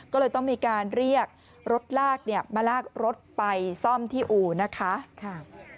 ก็เลยต้องมีการเรียกรถลากเนี่ยมาลากรถไปซ่อมที่อู่นะคะ